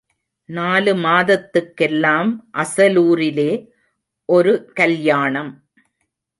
நாலு மாதத்துக்கெல்லாம் அசலூரிலே ஒரு கல்யாணம்.